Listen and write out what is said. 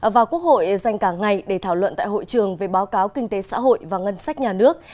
và quốc hội dành cả ngày để thảo luận tại hội trường về báo cáo kinh tế xã hội và ngân sách nhà nước